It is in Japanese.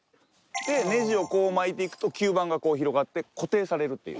ネジをこう巻いていくと吸盤がこう広がって固定されるっていう。